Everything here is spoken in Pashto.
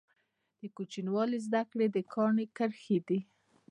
د کوچنیوالي زده کړي د کاڼي کرښي دي.